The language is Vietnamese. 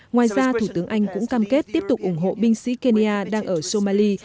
ngoài ra thủ tướng anh cũng cam kết tiếp tục ủng hộ binh sĩ kenya đang ở somali